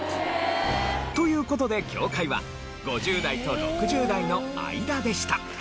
という事で境界は５０代と６０代の間でした。